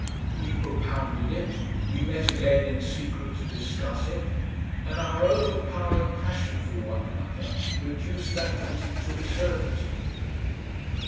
We propounded it, we met again in secret to discuss it, and our overpowering passion for one another reduced that meeting to absurdity....